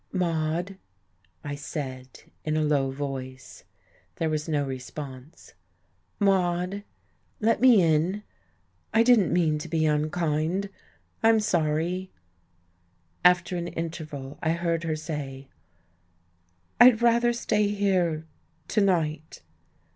"Maude!" I said, in a low voice. There was no response. "Maude let me in! I didn't mean to be unkind I'm sorry." After an interval I heard her say: "I'd rather stay here, to night."